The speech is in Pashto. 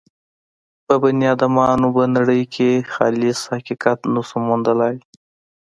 په بني ادمانو به نړۍ کې خالص حقیقت نه شو موندلای.